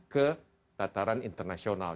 ke tataran internasional